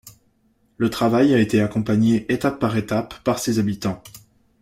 Le travail a été accompagné étape par étape par ses habitants.